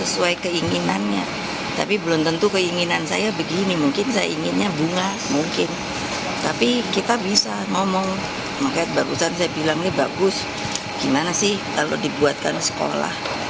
saya bilang ini bagus gimana sih kalau dibuatkan sekolah